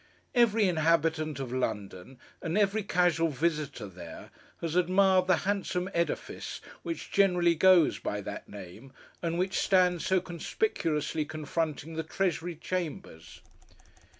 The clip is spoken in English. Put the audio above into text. Every inhabitant of London, and every casual visitor there, has admired the handsome edifice which generally goes by that name, and which stands so conspicuously confronting the Treasury Chambers.